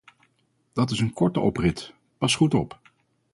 Dat is een korte oprit, pas goed op.